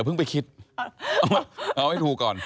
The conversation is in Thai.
เอาให้ถูกก่อน